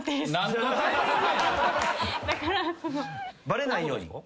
バレないように？